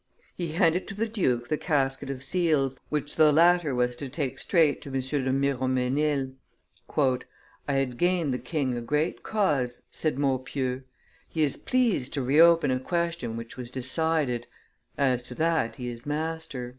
He handed to the duke the casket of seals, which the latter was to take straight to M. de Miromesnil. "I had gained the king a great cause," said Maupeou; "he is pleased to reopen a question which was decided; as to that he is master."